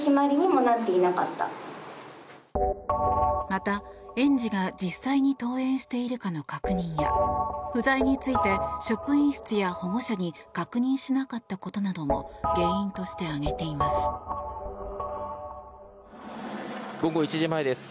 また、園児が実際に登園しているかの確認や不在について職員室や保護者に確認しなかったことなども原因として挙げています。